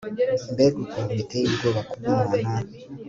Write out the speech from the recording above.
Mbega ukuntu biteye ubwoba kuba umuntu